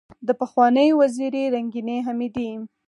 دپخوانۍ وزیرې رنګینې حمیدې